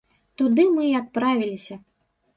Туды мы і адправіліся.